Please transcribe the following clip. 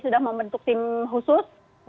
sudah membentuk tim khusus